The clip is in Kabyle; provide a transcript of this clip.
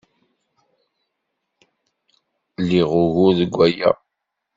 Liɣ ugur deg waya.